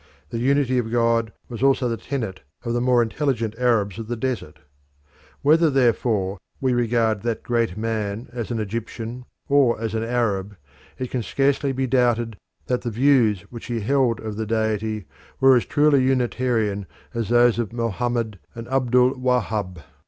The unity of God was also the tenet of the more intelligent Arabs of the desert. Whether therefore we regard that great man as an Egyptian or as an Arab, it can scarcely be doubted that the views which he held of the Deity were as truly unitarian as those of Mohammed and Abdul Wahhab.